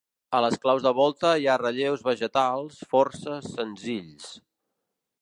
A les claus de volta hi ha relleus vegetals força senzills.